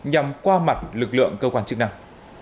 nhằm qua mặt lực lượng cơ quan chức năng